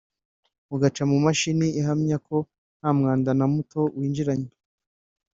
ugaca mu mashini ihamya ko nta mwanda na muto winjiranye